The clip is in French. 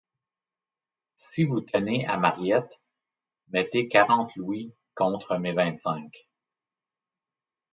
Si vous tenez à Mariette, mettez quarante louis contre mes vingt-cinq.